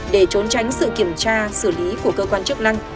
để trốn tránh sự kiểm tra xử lý của cơ quan chức năng